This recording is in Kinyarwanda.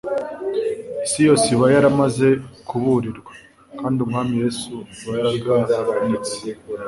isi yose iba yaramaze kuburirwa, kandi Umwami Yesu aba yaraganitse